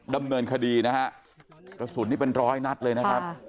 ดำเนินคดีนะฮะกระสุนนี่เป็นร้อยนัดเลยนะครับ